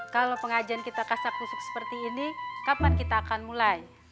kalau pengajian kita kasak kusuk seperti ini kapan kita akan mulai